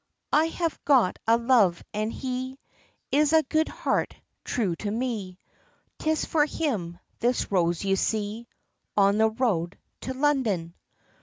"I have got a love, and he, Is a good heart, true to me, 'Tis for him, this rose you see, On the road, to London."